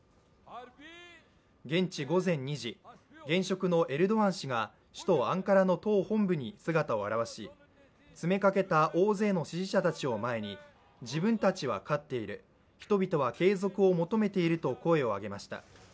現地午前２時、現職のエルドアン氏が首都アンカラの党本部に姿を現し詰めかけた大勢の支持者たちを前に自分たちは勝っている、人々は継続を求めていると声を上げました。